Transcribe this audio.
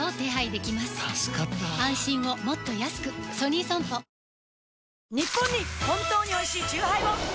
ニッポンに本当においしいチューハイを！